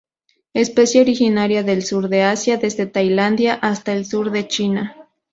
Especie originaria del sur de Asia, desde Tailandia hasta el sur de China.